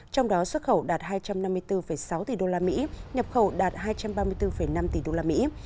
trong đó xuất khẩu đạt hai trăm năm mươi bốn sáu tỷ đô la mỹ nhập khẩu đạt hai trăm ba mươi bốn năm tỷ đô la mỹ